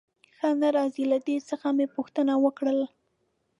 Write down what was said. ښه نه راځي، له ده څخه مې پوښتنه وکړل.